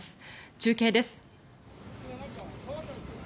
中継です。